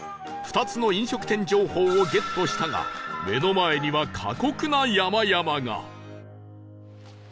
２つの飲食店情報をゲットしたが目の前には過酷な山々が